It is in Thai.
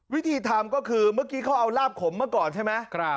วิธีทำก็คือเมื่อกี้เขาเอาลาบขมมาก่อนใช่ไหม